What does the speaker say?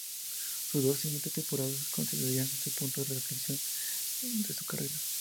Sus dos siguientes temporadas constituirían su punto de inflexión en su carrera.